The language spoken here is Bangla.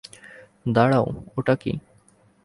দাঁড়াও, ওটা কী?